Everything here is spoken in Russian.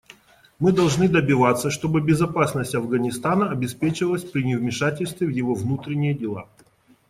Мы должны добиваться, чтобы безопасность Афганистана обеспечивалась при невмешательстве в его внутренние дела.